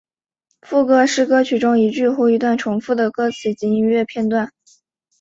副歌是歌曲中一句或一段重复的歌词及音乐段落。